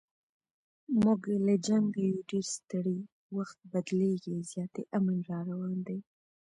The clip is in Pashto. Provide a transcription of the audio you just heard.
موږ له جنګه یو ډېر ستړي، وخت بدلیږي زیاتي امن را روان دی